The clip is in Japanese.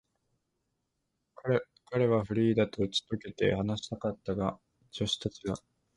彼はフリーダとうちとけて話したかったが、助手たちが厚かましくも目の前にいるというだけで、じゃまされた。